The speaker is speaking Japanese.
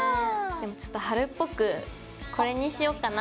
でもちょっと春っぽくこれにしようかな。